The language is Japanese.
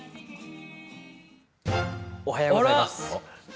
おはようございます。